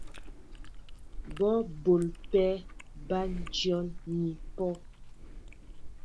Bɔ́ m̀bǒl pé bǎn dyǒm ni pɔ́.